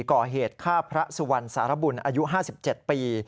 ก่อเหตุฆ่าพระสุวรรณสารบุญอายุ๕๗ปี